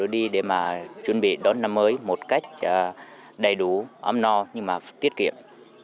đi để mà chuẩn bị đón năm mới một cách đầy đủ ấm no nhưng mà tiết kiệm